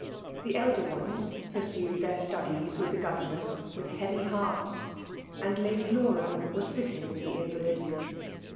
The elder ones pursued their studies with the governess with heavy hearts ; and Lady Laura waa sitting with the invalid.